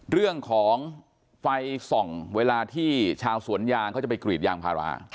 เรื่องของไฟส่องเวลาที่ชาวสวนยางเขาจะไปกรีดยางพารา